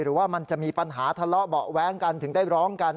หรือว่ามันจะมีปัญหาทะเลาะเบาะแว้งกันถึงได้ร้องกัน